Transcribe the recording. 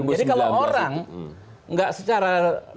jadi kalau orang tidak secara